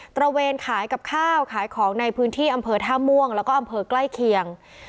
ระเวนขายกับข้าวขายของในพื้นที่อำเภอท่าม่วงแล้วก็อำเภอใกล้เคียง